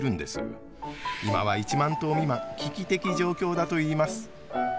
今は１万頭未満危機的状況だといいます。